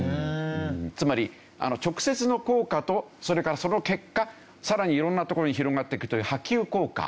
つまり直接の効果とそれからその結果さらに色んなところに広がっていくという波及効果。